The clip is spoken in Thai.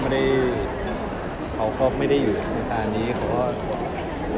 ผมเขาก็ส่งคลิปส่งข่าวมาให้ผมดู